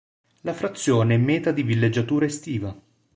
La frazione è meta di villeggiatura estiva.